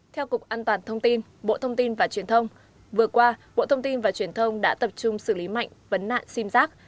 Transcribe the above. theo cục an toàn thông tin bộ thông tin và truyền thông vừa qua bộ thông tin và truyền thông đã tập trung xử lý mạnh vấn nạn sim giác